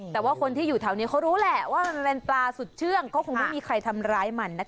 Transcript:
แต่ว่าคนที่อยู่แถวนี้เขารู้แหละว่ามันเป็นปลาสุดเชื่องก็คงไม่มีใครทำร้ายมันนะคะ